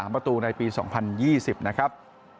ประตูในปี๒๐๒๐นะครับ